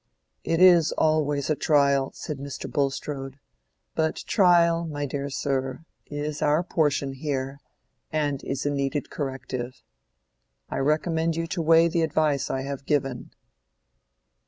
"It is always a trial," said Mr. Bulstrode; "but trial, my dear sir, is our portion here, and is a needed corrective. I recommend you to weigh the advice I have given."